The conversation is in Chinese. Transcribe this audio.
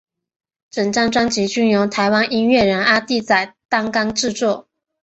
整张专辑均由台湾音乐人阿弟仔担纲制作。